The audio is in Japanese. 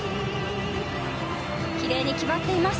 きれいに決まっています。